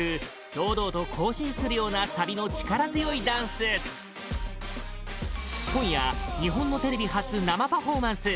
堂々と行進するようなサビの力強いダンス今夜、日本のテレビ初生パフォーマンス